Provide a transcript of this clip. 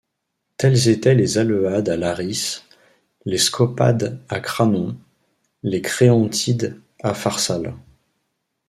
Tels étaient les Aleuades à Larisse, les Scopades à Cranon, les Créontides à Pharsale.